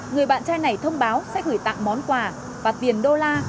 người bạn trai này thông báo sẽ gửi tặng món quà và tiền đô la